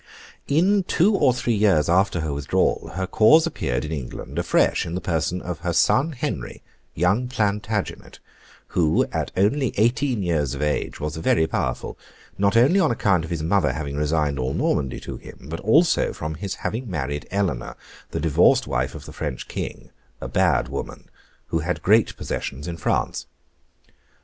In two or three years after her withdrawal her cause appeared in England, afresh, in the person of her son Henry, young Plantagenet, who, at only eighteen years of age, was very powerful: not only on account of his mother having resigned all Normandy to him, but also from his having married Eleanor, the divorced wife of the French King, a bad woman, who had great possessions in France.